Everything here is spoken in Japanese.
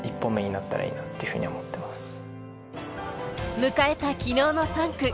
迎えた昨日の３区。